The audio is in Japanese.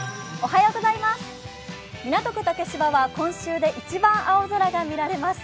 港区竹芝は今週で一番青空が見られます。